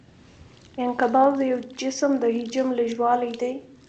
انقباض د یو جسم د حجم لږوالی دی.